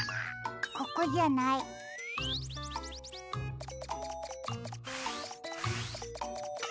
ここじゃない。